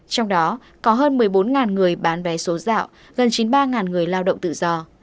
trong đó có hơn một mươi bốn người bán vé số dạo gần chín mươi ba người lao động tự do